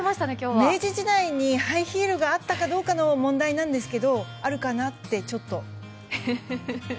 明治時代にハイヒールがあったかどうかの問題なんですけどあるかなってちょっと。